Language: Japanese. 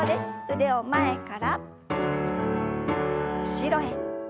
腕を前から後ろへ。